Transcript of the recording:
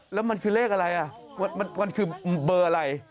แล้วมันคือเลขอะไรมันคือเบอร์อะไร